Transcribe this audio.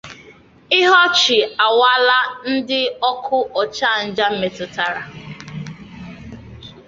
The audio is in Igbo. Ihu Ọchị Awaala Ndị Ọkụ Ochanja Metụtara